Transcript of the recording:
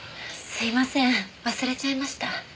すいません忘れちゃいました。